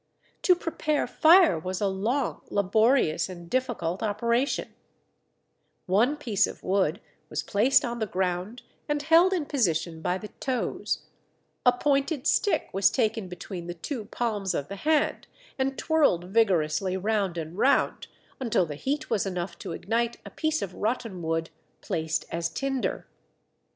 To prepare fire was a long, laborious, and difficult operation; one piece of wood was placed on the ground and held in position by the toes, a pointed stick was taken between the two palms of the hand and twirled vigorously round and round until the heat was enough to ignite a piece of rotten wood placed as tinder.